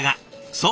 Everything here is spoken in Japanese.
そう。